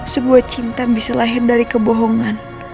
sebuah cinta bisa lahir dari kebohongan